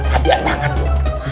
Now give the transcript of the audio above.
adiak tangan tuh